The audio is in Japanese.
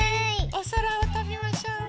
おそらをとびましょう。